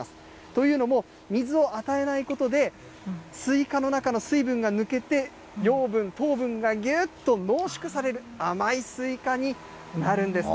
というのも、水を与えないことで、スイカの中の水分が抜けて、養分、糖分がぎゅっと濃縮される甘いスイカになるんです。